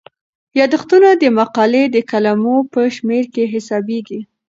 یادښتونه د مقالې د کلمو په شمیر کې حسابيږي.